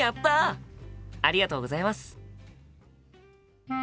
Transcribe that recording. ありがとうございます。